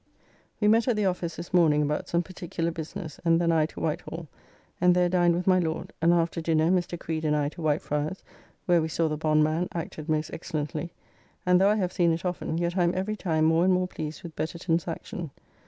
We met at the office this morning about some particular business, and then I to Whitehall, and there dined with my Lord, and after dinner Mr. Creed and I to White Fryars, where we saw "The Bondman" acted most excellently, and though I have seen it often, yet I am every time more and more pleased with Betterton's action.